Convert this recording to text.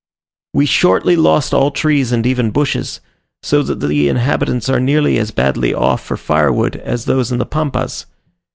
We shortly lost all trees and even bushes; so that the inhabitants are nearly as badly off for firewood as those in the Pampas.